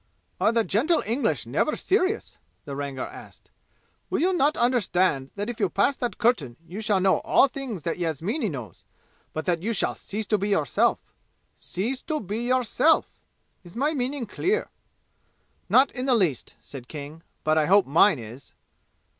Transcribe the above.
"Are the gentle English never serious?" the Rangar asked. "Will you not understand that if you pass that curtain you shall know all things that Yasmini knows, but that you shall cease to be yourself? Cease to be yourself! Is my meaning clear?" "Not in the least," said King, "but I hope mine is!"